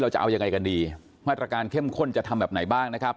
จะเอายังไงกันดีมาตรการเข้มข้นจะทำแบบไหนบ้างนะครับ